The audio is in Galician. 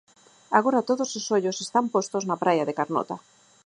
Agora todos os ollos están postos na praia de Carnota.